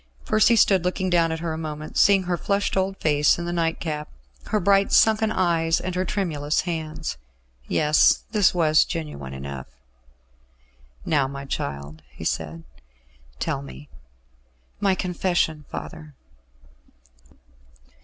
Percy stood looking down at her a moment, seeing her flushed old face in the nightcap, her bright sunken eyes and her tremulous hands. Yes; this was genuine enough. "Now, my child," he said, "tell me." "My confession, father."